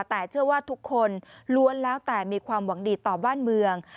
แต่เชื่อว่าทุกคนล้วนแล้วแต่มีความหวังดีต่อบ้านเมือง